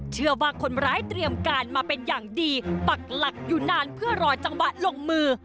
เชื่อว่าคนร้ายเตรียมการมาเป็นอย่างดีปักหลักอยู่นานเพื่อรอจังหวะลงมือ